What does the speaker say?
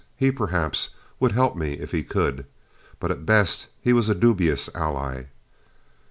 He, perhaps, would help me if he could. But, at best, he was a dubious ally.